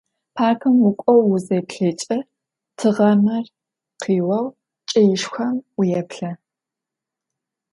Паркым укӏоу узеплъыкӏэ, тыгъамэр къиоу кӏэишхом уеплъэ.